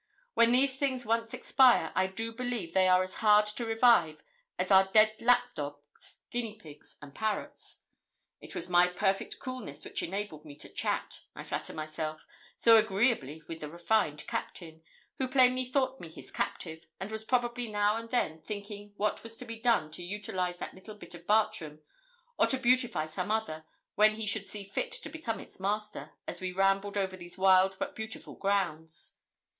When these things once expire, I do believe they are as hard to revive as our dead lap dogs, guinea pigs, and parrots. It was my perfect coolness which enabled me to chat, I flatter myself, so agreeably with the refined Captain, who plainly thought me his captive, and was probably now and then thinking what was to be done to utilise that little bit of Bartram, or to beautify some other, when he should see fit to become its master, as we rambled over these wild but beautiful grounds.